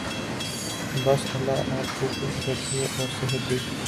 بس اللہ آپ کو خوش رکھے اور صحت دے۔